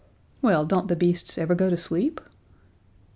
"Well, don't the beasts ever go to sleep?"